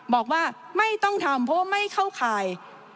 บอกว่าไม่ต้องทำเพราะว่าไม่เข้าข่าย